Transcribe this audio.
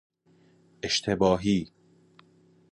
اشتباهی